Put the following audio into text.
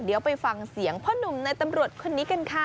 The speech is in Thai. เดี๋ยวไปฟังเสียงพ่อหนุ่มในตำรวจคนนี้กันค่ะ